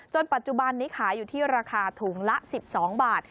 ปัจจุบันนี้ขายอยู่ที่ราคาถุงละ๑๒บาท